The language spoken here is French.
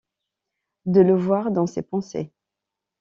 De le voir dans ses pensées.